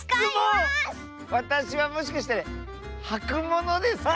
わたしはもしかしてはくものですか？